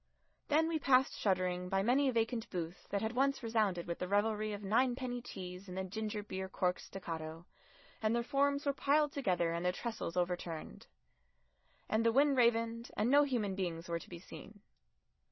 Then we passed shuddering by many vacant booths that had once resounded with the revelry of ninepenny teas and the gingerbeer cork's staccato, and their forms were piled together and their trestles overturned. And the wind ravened, and no human beings were to be seen.